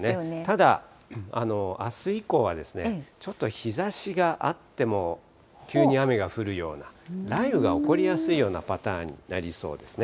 ただ、あす以降はちょっと日ざしがあっても急に雨が降るような、雷雨が起こりやすいようなパターンになりそうですね。